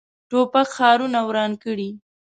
توپک ښارونه وران کړي.